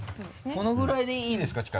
このぐらいでいいですか？